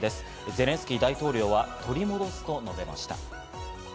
ゼレンスキー大統領は取り戻すと述べました。